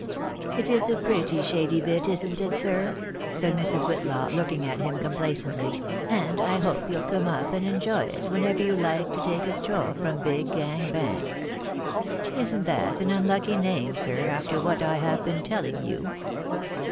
" It is a pretty shady bit, isn't it, sir? " said Mrs. Whitlaw, looking at him complacently, " and I hojDe you'll come up and enjoy it when ever you like to take a stroll from Big Gang Bank. Isn't that an unlucky name, sir, after what I have been a telling you